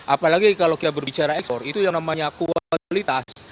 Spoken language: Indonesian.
apalagi kalau kita berbicara ekspor itu yang namanya kualitas